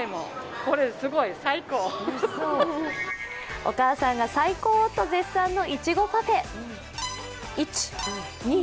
お母さんが最高と絶賛のいちごパフェ。